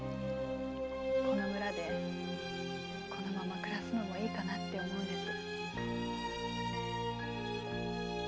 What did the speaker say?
この村でこのまま暮らすのもいいかなって思うんです。